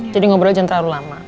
jadi ngobrol jangan terlalu lama